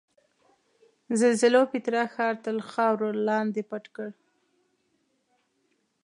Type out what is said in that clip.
زلزلو پیترا ښار تر خاورو لاندې پټ کړ.